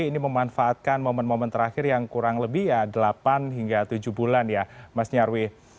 ini memanfaatkan momen momen terakhir yang kurang lebih ya delapan hingga tujuh bulan ya mas nyarwi